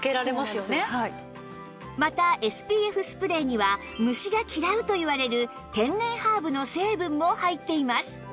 また ＳＰＦ スプレーには虫が嫌うといわれる天然ハーブの成分も入っています